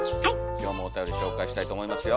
今日もおたより紹介したいと思いますよ。